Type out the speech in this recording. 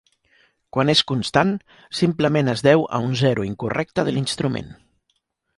Quan és constant, simplement es deu a un zero incorrecte de l'instrument.